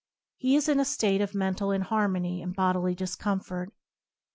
He is in a state of men tal inharmony and bodily discomfort.